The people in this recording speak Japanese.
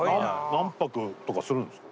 何泊とかするんすか？